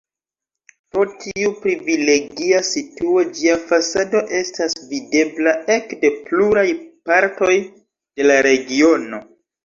Pro tiu privilegia situo ĝia fasado estas videbla ekde pluraj partoj de la regiono.